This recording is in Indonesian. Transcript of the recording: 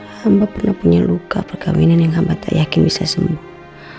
hamba pernah punya luka perkawinan yang hamba tak yakin bisa sembuh